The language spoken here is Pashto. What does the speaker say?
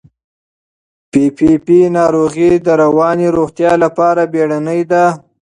پي پي پي ناروغي د رواني روغتیا لپاره بیړنۍ ده.